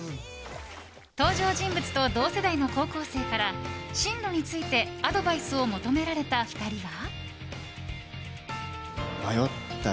登場人物と同世代の高校生から進路についてアドバイスを求められた２人は。